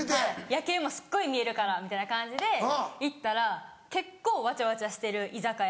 夜景もすっごい見えるからみたいな感じで行ったら結構わちゃわちゃしてる居酒屋。